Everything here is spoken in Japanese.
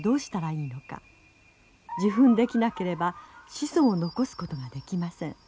受粉できなければ子孫を残すことができません。